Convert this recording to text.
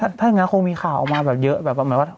ถ้าอย่างนั้นมีข่าวออกมาเยอะ